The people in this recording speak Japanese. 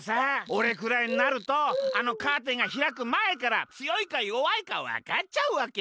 おれくらいになるとあのカーテンがひらくまえからつよいかよわいかわかっちゃうわけ！